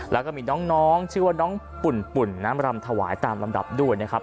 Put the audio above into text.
แล้วก็มีน้องชื่อว่าน้องปุ่นน้ำรำถวายตามลำดับด้วยนะครับ